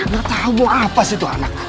enggak tahu mau apa sih itu anak